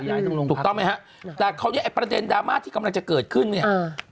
ย้ายทั้งโรงพักถูกต้องไหมฮะแต่ประเด็นดราม่าที่กำลังจะเกิดขึ้นเนี่ย